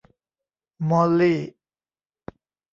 มอลลี่